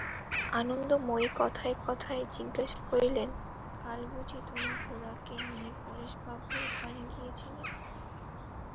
আনন্দময়ী কথায় কথায় জিজ্ঞাসা করিলেন, কাল বুঝি তুমি গোরাকে নিয়ে পরেশবাবুর ওখানে গিয়েছিলে?